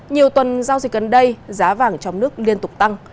nhiều tuần giao dịch gần đây giá vàng trong nước liên tục tăng